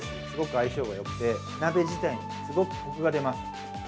すごく相性がよくて鍋自体にすごくコクが出ます。